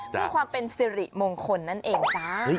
เพื่อความเป็นสิริมงคลนั่นเองจ้า